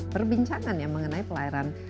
perbincangan ya mengenai pelairan